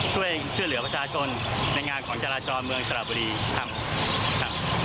ช่วยเหลือประชาชนในงานของจราจรเมืองสระบุรีทำครับ